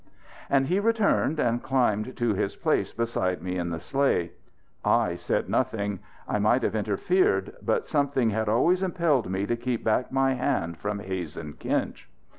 And he returned and climbed to his place beside me in the sleigh. I said nothing. I might have interfered, but something had always impelled me to keep back my hand from Hazen Kinch.